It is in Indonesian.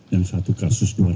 yang satu kasus